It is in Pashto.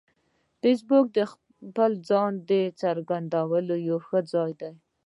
فېسبوک د خپل ځان څرګندولو یو ښه ځای دی